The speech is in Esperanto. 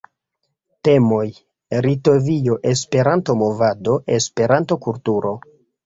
Temoj: Litovio, Esperanto-movado, Esperanto-kulturo.